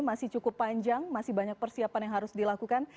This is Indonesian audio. masih cukup panjang masih banyak persiapan yang harus dilakukan